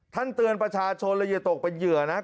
ท่านเตือนประชาชนเลยจะตกเป็นเหยื่อนะครับ